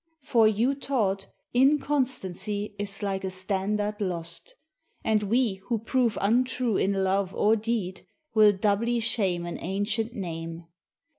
For you taught Inconstancy is like a standard lost; And we who prove untrue in love or deed Will doubly shame an ancient name.